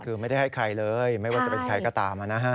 คือไม่ได้ให้ใครเลยไม่ว่าจะเป็นใครก็ตามนะฮะ